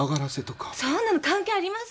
そんなの関係ありません！